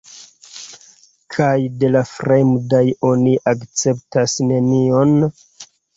Kaj de la fremdaj oni akceptas nenion?